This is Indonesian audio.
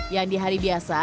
yang di hari biasa